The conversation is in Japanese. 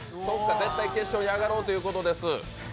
絶対決勝に上がろうということです。